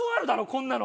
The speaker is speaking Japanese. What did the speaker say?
こんなの。